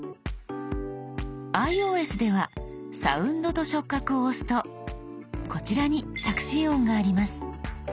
ｉＯＳでは「サウンドと触覚」を押すとこちらに「着信音」があります。